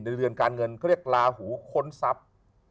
เรือนการเงินเขาเรียกลาหูค้นทรัพย์